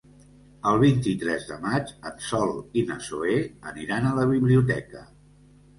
El vint-i-tres de maig en Sol i na Zoè aniran a la biblioteca.